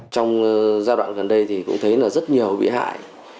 trong giai đoạn gần đây thì cũng thấy là rất nhiều bị hại